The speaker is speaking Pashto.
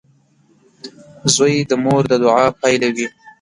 • زوی د مور د دعا پایله وي.